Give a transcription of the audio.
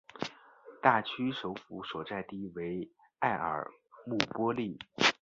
大区首府所在地为埃尔穆波利。